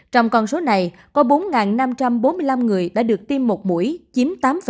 trong con số này có bốn năm trăm bốn mươi năm người đã được tiêm một mũi